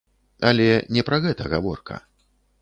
Але не пра гэта гаворка.